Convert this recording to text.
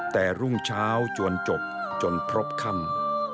แต่รุ่งเช้าจวนจบจนพรบค่ำ